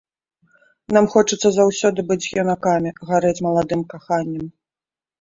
Нам хочацца заўсёды быць юнакамі, гарэць маладым каханнем.